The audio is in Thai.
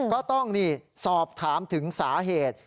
ก็ต้องสอบถามถึงสาเหตุ